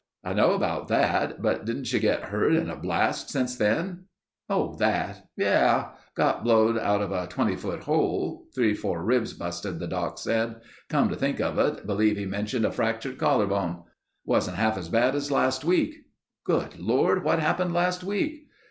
"I know about that, but didn't you get hurt in a blast since then?" "Oh that—yeh. Got blowed out of a 20 foot hole. Three four ribs busted, the doc said. Come to think of it, believe he mentioned a fractured collar bone. Wasn't half as bad as last week." "Good Lord ... what happened last week?"